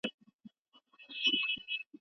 د څيړني ټول اصول باید په پام کي ونیول سي.